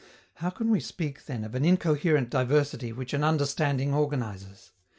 How can we speak, then, of an incoherent diversity which an understanding organizes?